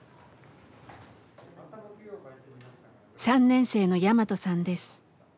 ３年生のヤマトさんです。